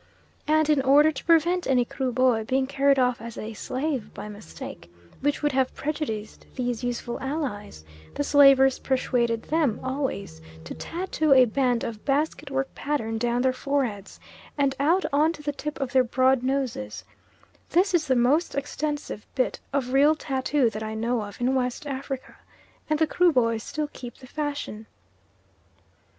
And in order to prevent any Kruboy being carried off as a slave by mistake, which would have prejudiced these useful allies, the slavers persuaded them always to tattoo a band of basket work pattern down their foreheads and out on to the tip of their broad noses: this is the most extensive bit of real tattoo that I know of in West Africa, and the Kruboys still keep the fashion.